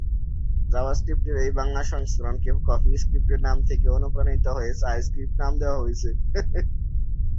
Java স্ক্রিপ্টের এই বাংলা সংস্করণকে কফি স্ক্রিপ্টের নাম থেকে অনুপ্রাণিত হয়ে চা স্ক্রিপ্ট নাম দেয়া হয়েছে।